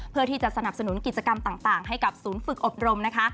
สนับสนุนกิจกรรมต่างให้กับศูนย์ฝึกอบรมนะคะ